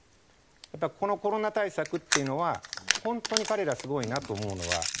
やっぱりこのコロナ対策っていうのは本当に彼らすごいなと思うのは。